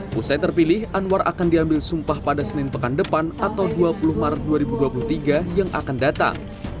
pusai terpilih anwar akan diambil sumpah pada senin pekan depan atau dua puluh maret dua ribu dua puluh tiga yang akan datang